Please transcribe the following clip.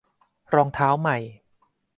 - รองเท้าใหม่